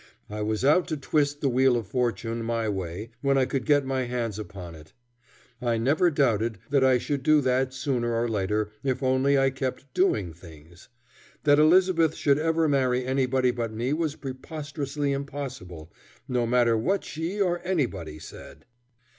I was out to twist the wheel of fortune my way when I could get my hands upon it. I never doubted that I should do that sooner or later, if only I kept doing things. That Elizabeth should ever marry anybody but me was preposterously impossible, no matter what she or anybody said.